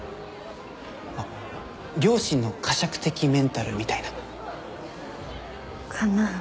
あっ良心の呵責的メンタルみたいな？かな。